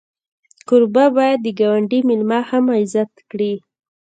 کوربه باید د ګاونډي میلمه هم عزت کړي.